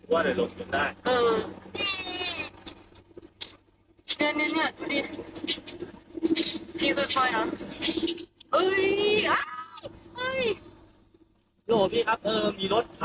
ว่าเลยลกหมดได้